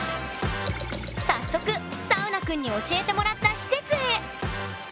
早速サウナくんに教えてもらった施設へ！